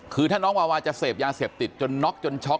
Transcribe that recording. คือถ้าน้องวาวาจะเสพยาเสพติดจนน็อกจนช็อก